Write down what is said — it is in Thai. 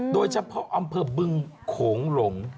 โดยเฉพาะอำเภอบึงโขงหลง